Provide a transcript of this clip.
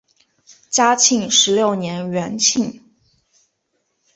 嘉庆十六年园寝。